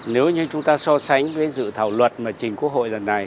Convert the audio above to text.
nếu như chúng ta so sánh với dự thảo luật mà trình quốc hội lần này